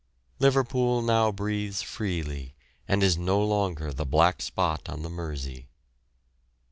Liverpool now breathes freely, and is no longer "the black spot" on the Mersey.